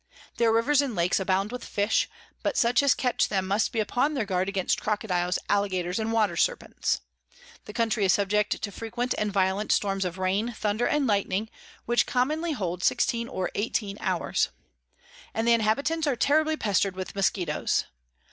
Their Rivers and Lakes abound with Fish, but such as catch them must be upon their guard against Crocodiles, Alligators, and Water Serpents. The Country is subject to frequent and violent Storms of Rain, Thunder, and Lightning, which commonly hold 16 or 18 hours; and the Inhabitants are terribly pester'd with Muskettoes.